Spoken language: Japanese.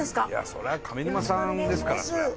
そりゃ上沼さんですから。